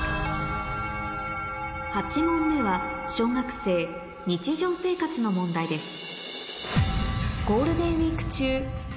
８問目は小学生の問題です